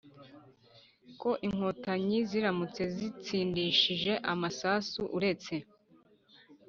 ko inkotanyi ziramutse zitsindishije amasasu uretse